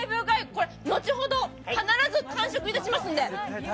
これ後ほど必ず完食いたしますので。